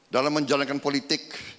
dalam menjalankan politik